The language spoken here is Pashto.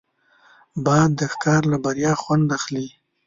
باز د ښکار له بریا خوند اخلي